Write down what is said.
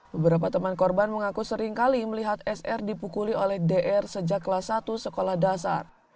beberapa teman korban mengaku seringkali melihat sr dipukuli oleh dr sejak kelas satu sekolah dasar